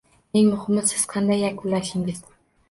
Eng muhimi - siz qanday yakunlashingiz